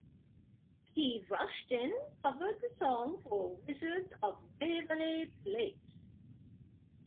Steve Rushton covered the song for "Wizards of Waverly Place".